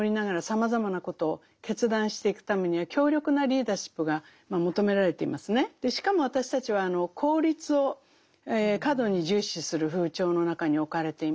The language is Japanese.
その中でしかも私たちは効率を過度に重視する風潮の中に置かれています。